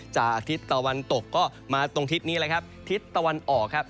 อาทิตย์ตะวันตกก็มาตรงทิศนี้เลยครับทิศตะวันออกครับ